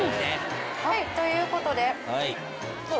はいということで。